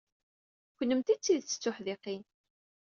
Kennemti d tidet d tuḥdiqin.